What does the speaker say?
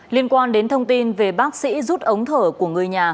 liên quan đến thông tin về bác sĩ rút ống thở của người nhà